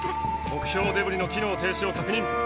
目標デブリの機能停止を確認！